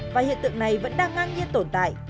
và hiện tượng này vẫn đang ngang nhiên tồn tại